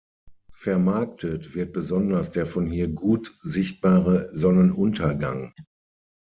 Vermarktet wird besonders der von hier gut sichtbare Sonnenuntergang.